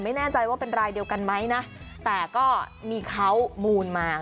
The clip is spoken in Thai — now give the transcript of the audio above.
ไม่แน่ใจว่าเป็นรายเดียวกันไหมนะแต่ก็มีเขามูลมา